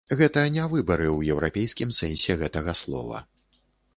Гэта не выбары ў еўрапейскім сэнсе гэтага слова.